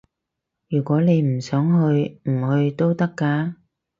如果你唔想去，唔去都得㗎